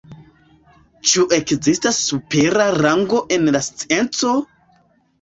Ĉu ekzistas supera rango en la scienco?